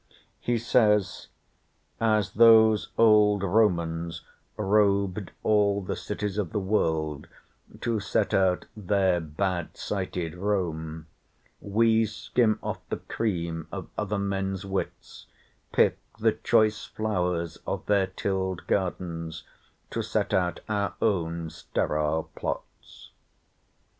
He says: "As those old Romans rob'd all the cities of the world, to set out their bad sited Rome, we skim off the cream of other men's wits, pick the choice flowers of their till'd gardens to set out our own steril plots."